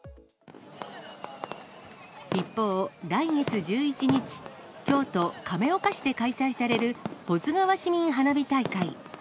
一方、来月１１日、京都・亀岡市で開催される保津川市民花火大会。